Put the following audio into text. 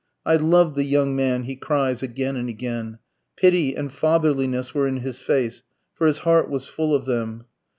"I loved the young man," he cries again and again. Pity and fatherliness were in his face, for his heart was full of them.